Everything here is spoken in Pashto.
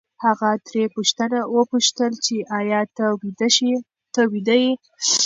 هغه ترې وپوښتل چې ایا ته ویده یې؟